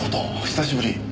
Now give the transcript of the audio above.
久しぶり。